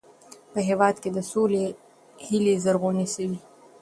په هېواد کې د سولې هیلې زرغونې سوې.